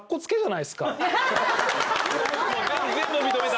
全部認めた！